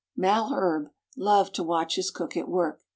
Malherbe loved to watch his cook at work.